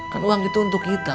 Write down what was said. kan uang itu untuk kita